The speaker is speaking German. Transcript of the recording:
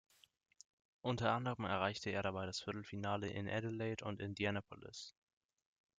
Unter anderem erreichte er dabei das Viertelfinale in Adelaide und Indianapolis.